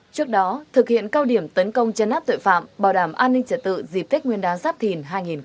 trước đó thực hiện cao điểm tấn công chân nát tội phạm bảo đảm an ninh trợ tự dịp tích nguyên đá giáp thìn hai nghìn hai mươi bốn